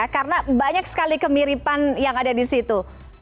karena banyak sekali kemiripan yang ada di situ